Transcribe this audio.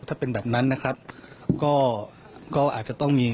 อก่อนแหละนะครับก็อาจจะต้องนี่